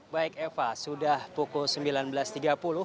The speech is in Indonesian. baik eva sudah pukul sembilan belas tiga puluh